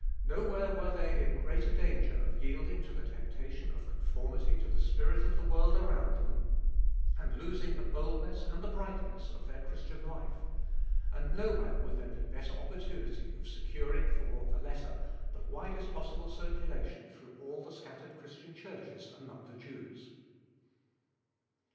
Nowhere were they in greater danger of yielding to the temptation of con formity to the spirit of the world around them, and losing the boldness and the brightness of their Christian life ; and no where would there be better opportunity of securing for the letter the widest possible circulation through all the scattered Chris tian churches among the Jews.